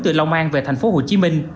từ long an về tp hcm